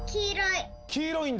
黄色い。